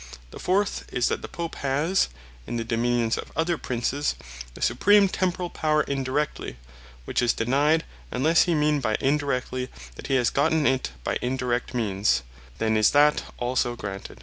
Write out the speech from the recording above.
The fourth is, "That the Pope has (in the Dominions of other Princes) the Supreme Temporall Power INDIRECTLY:" which is denyed; unlesse he mean by Indirectly, that he has gotten it by Indirect means; then is that also granted.